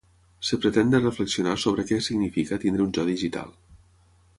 Es pretén de reflexionar sobre què significa tenir un jo digital.